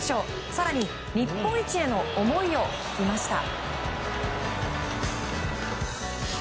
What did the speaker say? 更に、日本一への思いを聞きました。